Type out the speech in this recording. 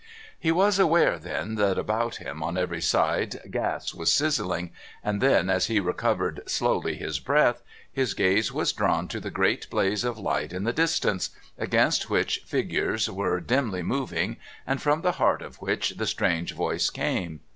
He was aware then that about him on every side gas was sizzling, and then, as he recovered slowly his breath, his gaze was drawn to the great blaze of light in the distance, against which figures were dimly moving, and from the heart of which the strange voice came.